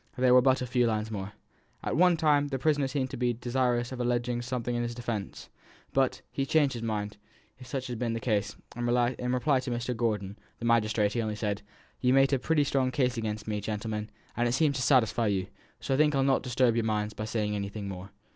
There were but a few lines more: "At one time the prisoner seemed to be desirous of alleging something in his defence, but he changed his mind, if such had been the case, and in reply to Mr. Gordon (the magistrate) he only said, 'You've made a pretty strong case out again me, gentlemen, and it seems for to satisfy you; so I think I'll not disturb your minds by saying anything more.'